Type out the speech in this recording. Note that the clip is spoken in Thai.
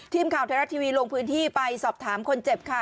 ทีมข่าวไทยรัฐทีวีลงพื้นที่ไปสอบถามคนเจ็บค่ะ